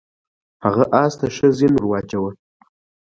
هغه اس ته ښه زین ور واچاوه.